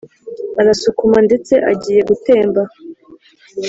arasukuma ndetse agiye gutemba,